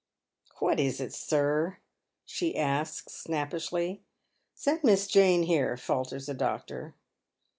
'' Wliat is it, sir ?" she asks, snappishly. ^ Send Miss Jane here," falters the doctor.